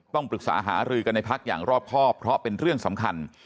ต้องปรึกษาหารือกันในพักอย่างรอบครอบเพราะเป็นเรื่องสำคัญ